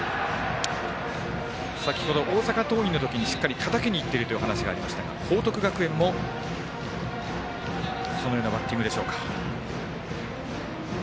先ほど、大阪桐蔭のときにたたきにいっているというお話がありましたが報徳学園もそのようなバッティングでしょうか。